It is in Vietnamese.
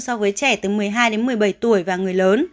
so với trẻ từ một mươi hai đến một mươi bảy tuổi và người lớn